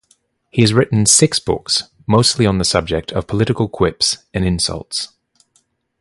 He has written six books, mostly on the subject of political quips and insults.